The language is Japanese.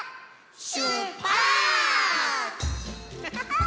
しゅっぱつ！